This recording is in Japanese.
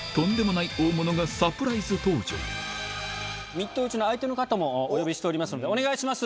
ミット打ちの相手の方もお呼びしておりますのでお願いします！